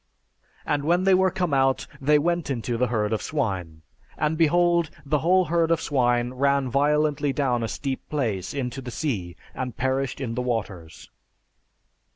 And when they were come out, they went into the herd of swine. And behold, the whole herd of swine ran violently down a steep place into the sea and perished in the waters."